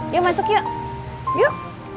yuk masuk yuk yuk